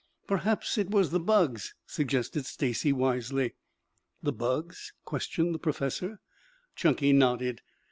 "Perhaps it was the bugs," suggested Stacy wisely. "The bugs?" questioned the professor. Chunky nodded.